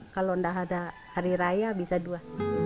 kalau tidak ada hari raya bisa dua